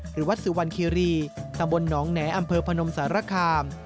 หรือวัดสุวรรณคีรีตำบลหนองแหน่อำเภอพนมสารคาม